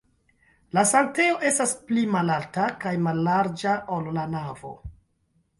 La sanktejo estas pli malalta kaj mallarĝa, ol la navo.